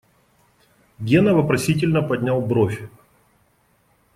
Гена вопросительно поднял бровь.